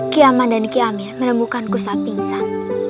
kiaman dan kiamil menemukanku saat pingsan